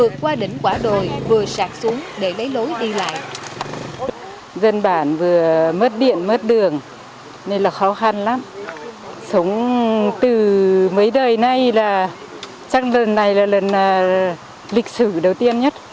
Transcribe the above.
những quả đồi vừa sạt xuống để lấy lối đi lại